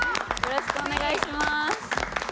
よろしくお願いします。